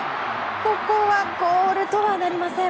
ここはゴールとはなりません。